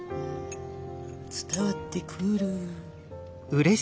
伝わってくる。